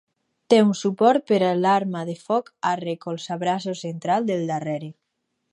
Té un suport per a l'arma de foc al recolzabraços central del darrere.